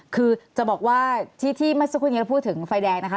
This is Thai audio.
คือจะบอกว่าที่เมื่อสักครู่นี้เราพูดถึงไฟแดงนะคะ